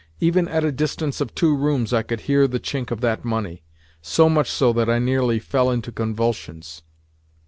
Even at a distance of two rooms I could hear the chink of that money—so much so that I nearly fell into convulsions.